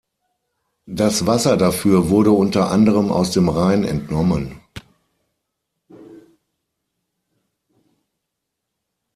Das Wasser dafür wurde unter anderem aus dem Rhein entnommen.